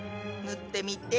塗ってみて。